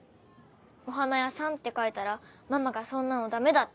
お花屋さんって書いたらママがそんなのダメだって。